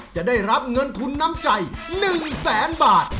จะได้รับเงินทุนน้ำใจ๑แสนบาท